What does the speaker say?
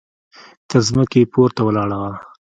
تر ځمکې پورته ولاړه وه.